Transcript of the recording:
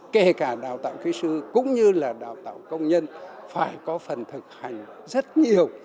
kể cả đào tạo kỹ sư cũng như là đào tạo công nhân phải có phần thực hành rất nhiều